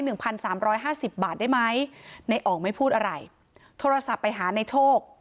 หนึ่งพันสามร้อยห้าสิบบาทได้ไหมในอ๋องไม่พูดอะไรโทรศัพท์ไปหาในโชค